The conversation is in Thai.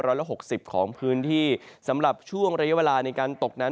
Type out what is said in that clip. ละหกสิบของพื้นที่สำหรับช่วงระยะเวลาในการตกนั้น